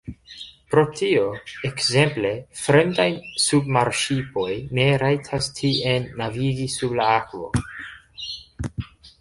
Pro tio, ekzemple, fremdaj submarŝipoj ne rajtas tien navigi sub la akvo.